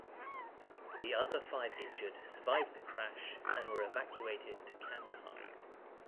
The other five injured survived the crash and were evacuated to Kandahar.